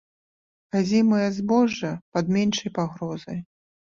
Азімыя збожжа пад меншай пагрозай.